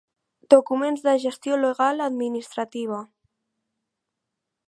Documents de gestió legal administrativa.